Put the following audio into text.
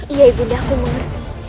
iya ibunda aku mengerti